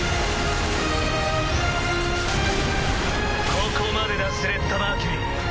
ここまでだスレッタ・マーキュリー。